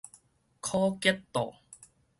可吉卓